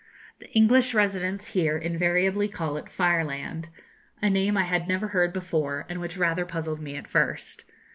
The English residents here invariably call it Fireland a name I had never heard before, and which rather puzzled me at first.